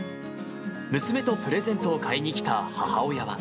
娘とプレゼントを買いに来た母親は。